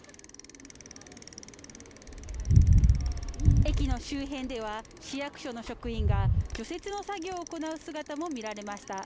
駅の周辺では市役所の職員が除雪の作業を行う姿も見られました